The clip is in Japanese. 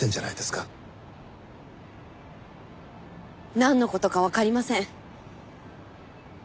なんの事かわかりません。